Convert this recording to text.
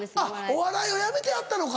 お笑いをやめてはったのか。